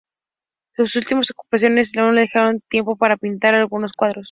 Sus múltiples ocupaciones aún le dejaron tiempo para pintar algunos cuadros.